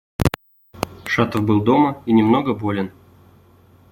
Шатов был дома и немного болен.